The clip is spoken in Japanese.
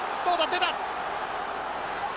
出た！